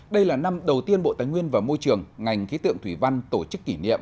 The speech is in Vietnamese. đây là năm đầu tiên bộ tài nguyên và môi trường ngành khí tượng thủy văn tổ chức kỷ niệm